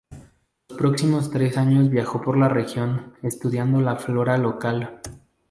Los próximos tres años viajó por la región, estudiando la flora local.